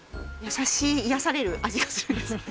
優しい癒やされる味がするんです。